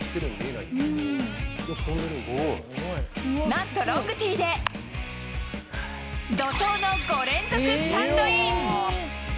なんとロングティーで怒とうの５連続スタンドイン。